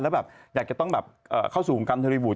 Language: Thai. แล้วอยากจะต้องเข้าสู่กรรมธรรมดิบุธ